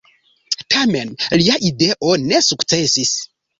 Tamen lia ideo ne sukcesis.